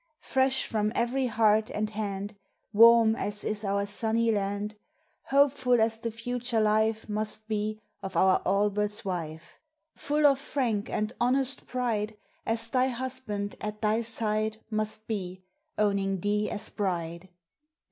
Fresh from every heart and hand; Warm as is our sunny land; Hopeful as the future life Must be, of our Albert's wife; Full of frank and honest pride, As thy husband at thy side Must be, owning thee as bride.